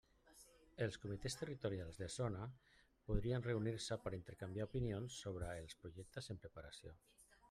Els Comitès Territorials de zona, podrien reunir-se per intercanviar opinions sobre els projectes en preparació.